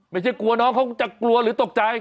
ไม่ใช่กลัวน้องเขาจะกลัวหรือตกใจ